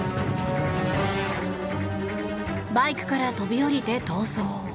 バイクから飛び降りて逃走。